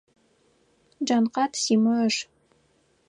Джанкъат Симэ ыш.